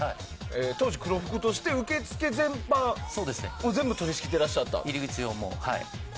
当時、黒服として受付全般全部を取り仕切ってらっしゃったと。